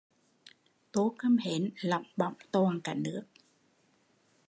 Tô cơm hến lõng bõng toàn cả nước